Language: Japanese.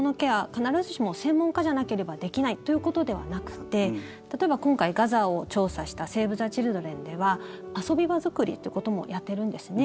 必ずしも専門家じゃなければできないということではなくて例えば今回、ガザを調査したセーブ・ザ・チルドレンでは遊び場作りっていうこともやってるんですね。